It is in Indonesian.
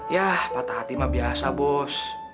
ya patah hati mah biasa bos